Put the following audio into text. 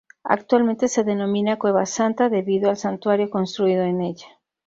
Actualmente se denomina "Cueva Santa", debido al Santuario construido en ella.